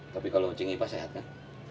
tapi kalau kucing ipa sehat kan